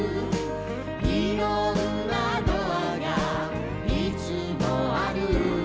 「いろんなドアがいつもある」